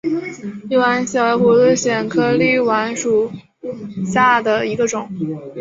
立碗藓为葫芦藓科立碗藓属下的一个种。